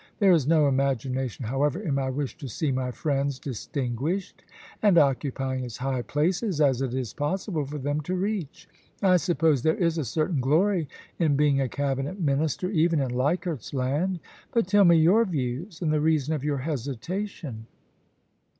There is no imagination, however, in my wish to see my friends distinguished and occupying as high places as it is possible for them to reach. I suppose there is a certain glory in being a cabinet minister — even in Leichardt's Land ... But tell me your views, and the reason of your hesita tion.'